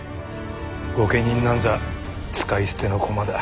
御家人なんざ使い捨ての駒だ。